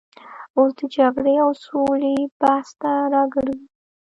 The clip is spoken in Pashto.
اوس د جګړې او سولې بحث ته راګرځو.